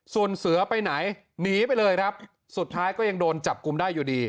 ส่วนเสือไปไหนหนีไปเลยครับสุดท้ายก็ยังโดนจับกลุ่มได้อยู่ดี